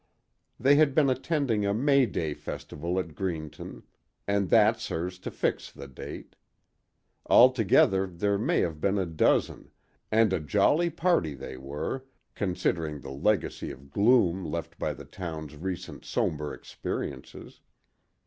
They had been attending a May Day festival at Greenton; and that serves to fix the date. Altogether there may have been a dozen, and a jolly party they were, considering the legacy of gloom left by the town's recent somber experiences.